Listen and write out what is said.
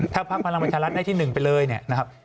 ถ้าภักดิ์พลังประชารัฐได้ที่หนึ่งไปเลยนะครับ